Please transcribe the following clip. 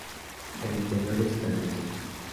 El interior es grandioso.